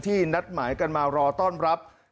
นัดหมายกันมารอต้อนรับ